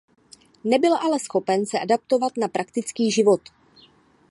Nebyl ale schopen se adaptovat na praktický život.